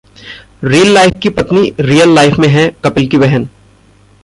reel life की पत्नी real life में है कपिल की बहन